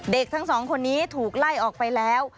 เด็กทั้งสองคนนี้ถูกไล่ออกไปแล้ว